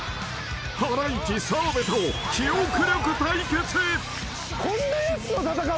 ［ハライチ澤部と記憶力対決へ］